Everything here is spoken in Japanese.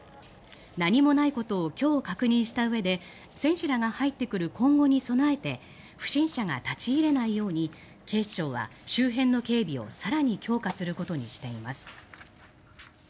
何もないことを今日確認したうえで選手らが入ってくる今後に備えて不審者が立ち入れないように警視庁は周辺の警備を更に強化することにしています。